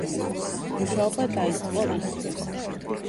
მუშაობა დაიწყო იქვე.